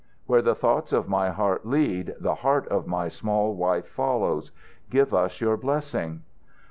Where the thoughts of my heart lead, the heart of my small wife follows. Give us your blessing."